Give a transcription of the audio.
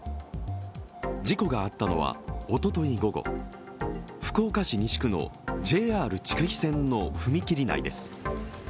事故があったのはおととい午後、福岡市西区のＪＲ筑肥線の踏切内です。